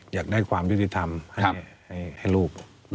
อยากได้ความยุติธรรมให้ลูก